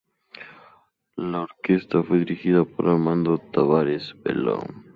La orquesta fue dirigida por Armando Tavares Belo.